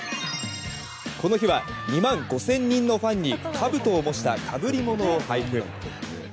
この日は２万５０００人のファンにかぶとを模した被り物を配布。